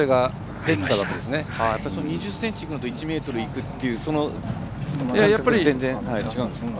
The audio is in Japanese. ２０ｃｍいくのと１ｍいくのでは全然違うんですか。